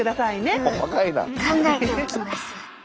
考えておきます。